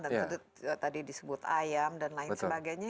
dan tadi disebut ayam dan lain sebagainya